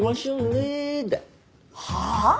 はあ？